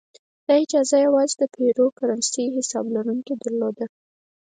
دا اجازه یوازې د پیزو کرنسۍ حساب لرونکو درلوده.